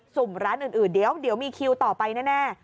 สุ่มร้านอื่นเดี๋ยวมีคิวต่อไปแน่